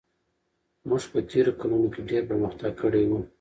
موږ په تېرو کلونو کې ډېر پرمختګ کړی و.